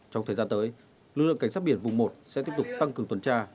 trong thời gian tới lực lượng cảnh sát biển vùng một sẽ tiếp tục tăng cường tuần tra